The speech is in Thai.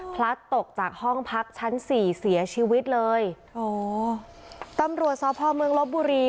พลัดตกจากห้องพักชั้นสี่เสียชีวิตเลยอ๋อตำรวจสพเมืองลบบุรี